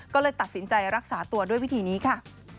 ก็เลยตัดสินใจรักษาตัวด้วยวิธีนี้ค่ะ